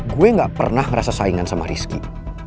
gue gak pernah ngerasa saingan sama rizky